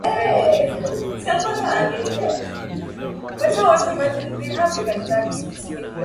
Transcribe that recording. limetengenezwa nchini china hata hivyo ripoti hiyo haijastumu serikali ya china kuhusika